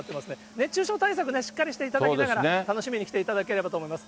熱中症対策ね、しっかりしていただきながら、楽しみに来ていただければと思います。